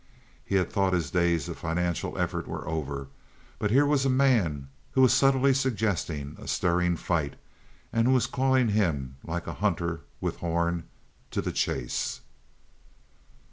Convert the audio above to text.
He had thought his days of financial effort were over, but here was a man who was subtly suggesting a stirring fight, and who was calling him, like a hunter with horn, to the chase.